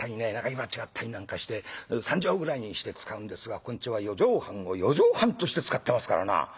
火鉢があったりなんかして三畳ぐらいにして使うんですがここんちは四畳半を四畳半として使ってますからな。